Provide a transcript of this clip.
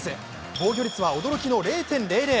防御率は驚き０．００。